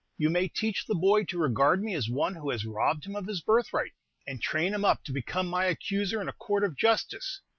You may teach the boy to regard me as one who has robbed him of his birthright, and train him up to become my accuser in a court of justice.